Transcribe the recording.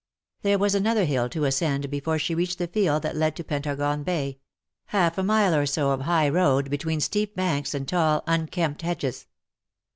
There was another hill to ascend before she reached the field that led to Pentargon Bay — half a mile or so of high road between steep banks and tall unkempt hedges.